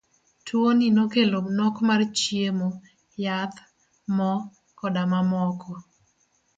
Tuo ni nokelo nok mar chiemo, yath, moo koda mamoko.